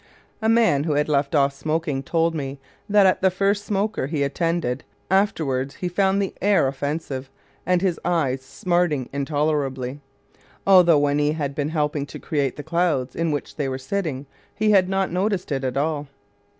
A man who had left off smoking told me that at the first "smoker" he attended afterward he found the air offensive and his eyes smarting intolerably, although when he had been helping to create the clouds in which they were sitting he had not noticed it at all.